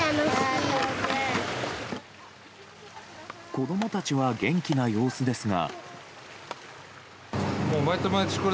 子供たちは元気な様子ですが。